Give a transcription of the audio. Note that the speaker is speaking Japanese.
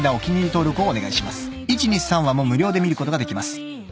［１・２・３話も無料で見ることができます］